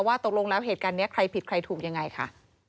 ตกลงแล้วเหตุการณ์นี้ใครผิดใครถูกยังไงค่ะ